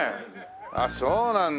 あっそうなんだ。